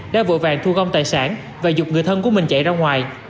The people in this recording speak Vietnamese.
đã vội vàng thu gom tài sản và dục người thân của mình chạy ra ngoài